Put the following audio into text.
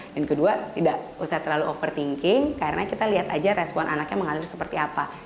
dan kedua tidak usah terlalu overthinking karena kita lihat aja respon anaknya mengalir seperti apa